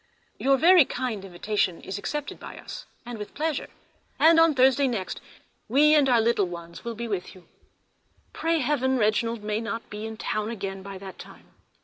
Your kind invitation is accepted by us with pleasure, and on Thursday next we and our little ones will be with you. Pray heaven, Reginald may not be in town again by that time!